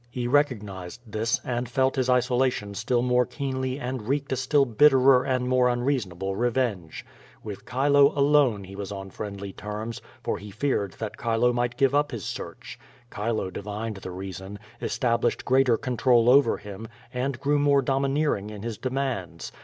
He recognized this, and felt his isolation still more keenly and wreaked a still bitterer and more unreasonable revenge. With Chile alone he was on friendly terms, for he feared that Chile might give up his search. Chile divined the reason, established greater control over him, and grew more domineering in his demands.